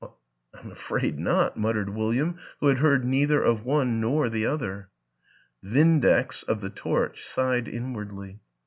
" I'm afraid not," muttered William, who had heard neither of one nor the other. " Vindex " of The Torch sighed inwardly.